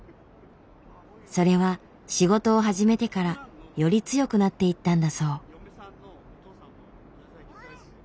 それは仕事を始めてからより強くなっていったんだそう。